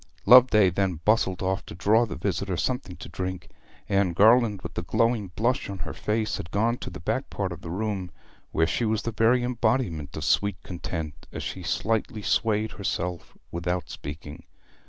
Loveday then bustled off to draw the visitor something to drink. Anne Garland, with a glowing blush on her face, had gone to the back part of the room, where she was the very embodiment of sweet content as she slightly swayed herself without speaking.